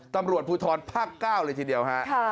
ตำรวจภูทรภาค๙เลยทีเดียวฮะ